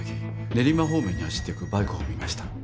練馬方面に走っていくバイクを見ました